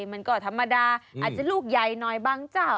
มันก็ธรรมดาอาจจะลูกใหญ่หน่อยบางเจ้า